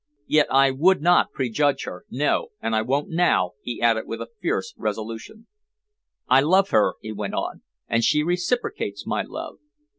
Yet I would not prejudge her no, and I won't now!" he added with a fierce resolution. "I love her," he went on, "and she reciprocates my love.